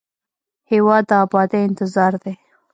هېواد د ابادۍ انتظار دی.